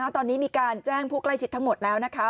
ตอนนี้มีการแจ้งผู้ใกล้ชิดทั้งหมดแล้วนะคะ